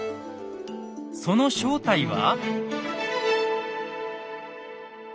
その正体は。